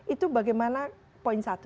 itu bagaimana poin satu